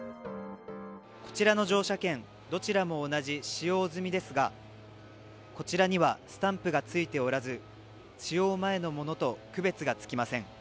こちらの乗車券どちらも同じ使用済みですがこちらにはスタンプがついておらず使用前のものと区別がつきません。